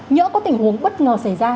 nhỡ có tình huống bất ngờ xảy ra